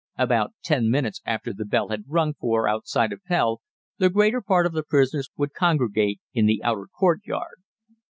About ten minutes after the bell had rung for outside Appell the greater part of the prisoners would congregate in the outer courtyard.